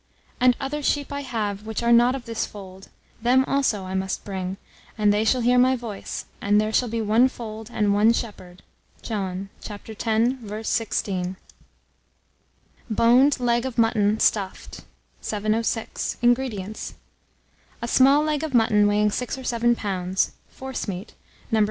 "And other sheep I have which are not of this fold: them also I must bring, and they shall hear my voice: and there shall be one fold and one shepherd." John, x. 16. BONED LEG OF MUTTON STUFFED. 706. INGREDIENTS. A small leg of mutton, weighing 6 or 7 lbs., forcemeat, No.